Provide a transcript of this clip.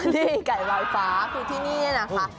ที่ไก่ลอยฟ้าคือที่นี่นะคะ